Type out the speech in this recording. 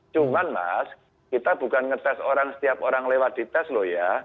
cuman mas kita bukan ngetes orang setiap orang lewat dites loh ya